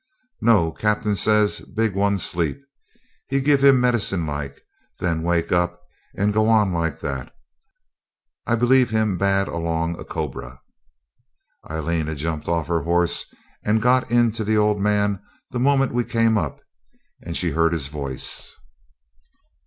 'No! Captain say big one sleep. Him give him medicine like; then wake up and go on likit that. I believe him bad along a cobra.' Aileen had jumped off her horse and gone in to the old man the moment we came up and she heard his voice.